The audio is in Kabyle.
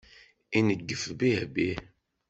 Ineggef bih-bih.